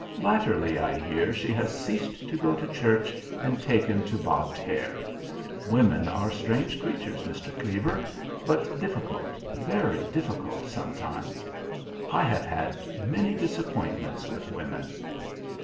Latterly, I hear, she has ceased to go to church and taken to bobbed hair. Women are strange creatures, Mr. Cleaver, but difficult, very difficult sometimes. I have had many disappointments with women."